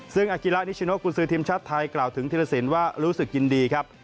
ซึ่งอากิระนิชโนกุญศือทีมชาติไทยกล่าวถึงธิรสินว่ารู้สึกยินดีครับ